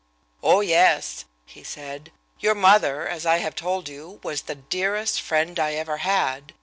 "Oh, yes," he said, "your mother, as I have told you, was the dearest friend I ever had.